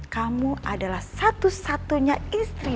kamu adalah satu satunya istri